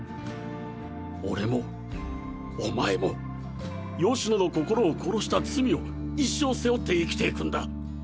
俺もお前も吉野の心を殺した罪を一生背負って生きていくんだ。